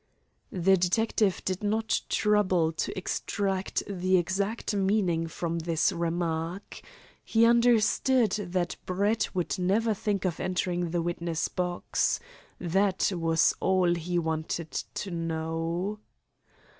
The detective did not trouble to extract the exact meaning from this remark. He understood that Brett would never think of entering the witness box. That was all he wanted to know.